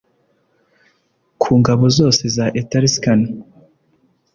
Ku ngabo zose za Etruscan